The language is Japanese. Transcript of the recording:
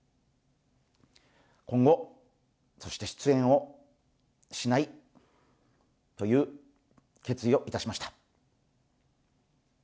今後、そして出演をしないという決意をいたしました。